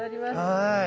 はい。